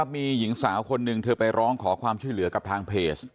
มีหญิงสาวคนหนึ่งเธอไปร้องขอความช่วยเหลือกับทางเพจ